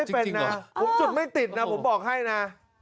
ผมจุดไม่ติดอ่ะผมบอกให้นะ